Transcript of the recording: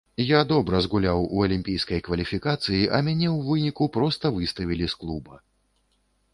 Я добра згуляў у алімпійскай кваліфікацыі, а мяне ў выніку проста выставілі з клуба.